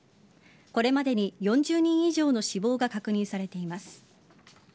これまでに４０人以上の死亡が確認されています。